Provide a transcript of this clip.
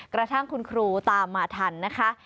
กระทั่งคุณครูตามมาทันนะคะ